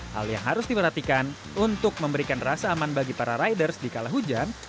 hal yang harus diperhatikan untuk memberikan rasa aman bagi para riders di kala hujan